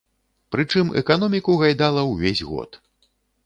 Прычым эканоміку гайдала ўвесь год.